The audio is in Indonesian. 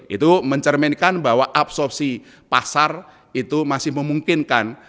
itu mencerminkan bahwa absorpsi pasar itu masih memungkinkan